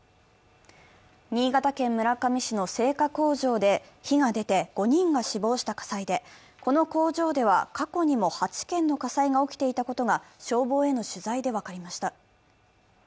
新潟県村上市の製菓工場で火が出て、５人が死亡した火災で、この工場では過去にも８件の火災が起きていたことが消防への取材で分かりました。